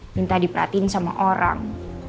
minta diperhatiin sama orang